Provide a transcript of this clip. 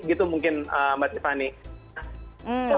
gitu mungkin mbak tiffany